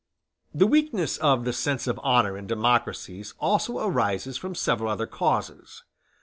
The weakness of the sense of honor in democracies also arises from several other causes.